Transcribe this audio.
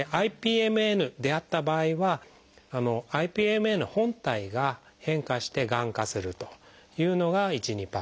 ＩＰＭＮであった場合はＩＰＭＮ本体が変化してがん化するというのが１２％。